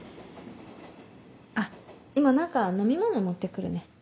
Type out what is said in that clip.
あっ今何か飲み物持って来るね。